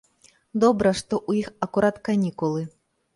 Добра, што ў іх акурат канікулы.